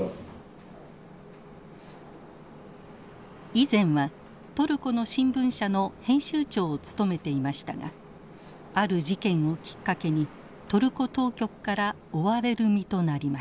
以前はトルコの新聞社の編集長を務めていましたがある事件をきっかけにトルコ当局から追われる身となりました。